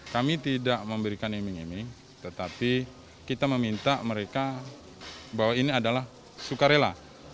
kami tidak memberikan iming iming tetapi kita meminta mereka bahwa ini adalah sukarela